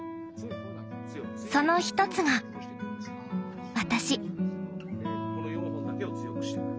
その一つが私。